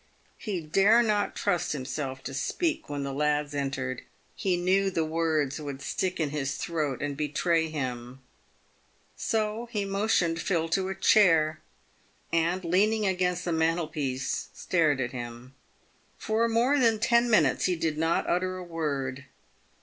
He dare not trust himself to speak when the lads entered. He knew the words would stick in his PAYED WITH GOLD. 345 throat and betray him. So he motioned Phil to a chair, and, leaning against the mantelpiece, stared at him. Eor more than ten minutes he did not utter a word.